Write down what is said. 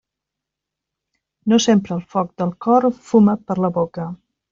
No sempre el foc del cor fuma per la boca.